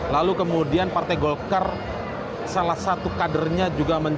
lalu kemudian partai golkar salah satu kadernya juga menjelaskan